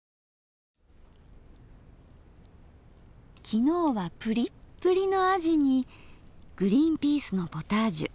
昨日はプリップリのあじにグリンピースのポタージュ。